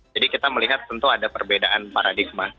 jadi kita melihat tentu ada perbedaan paradigma